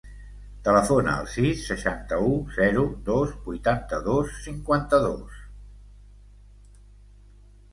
Telefona al sis, seixanta-u, zero, dos, vuitanta-dos, cinquanta-dos.